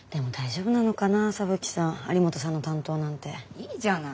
いいじゃない。